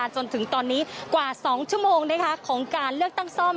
จนถึงตอนนี้กว่า๒ชั่วโมงของการเลือกตั้งซ่อม